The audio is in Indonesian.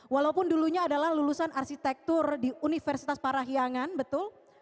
walaupun dulunya adalah lulusan arsitektur di universitas parahiangan betul